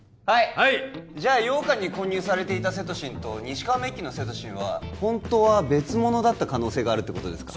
はいじゃあ羊羹に混入されていたセトシンとニシカワメッキのセトシンはホントは別物だった可能性があるってことですか？